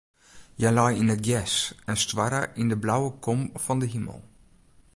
Hja lei yn it gjers en stoarre yn de blauwe kom fan de himel.